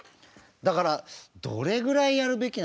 だからどれぐらいやるべきなのかな。